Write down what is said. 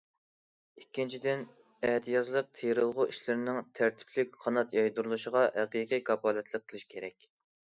ئىككىنچىدىن، ئەتىيازلىق تېرىلغۇ ئىشلىرىنىڭ تەرتىپلىك قانات يايدۇرۇلۇشىغا ھەقىقىي كاپالەتلىك قىلىش كېرەك.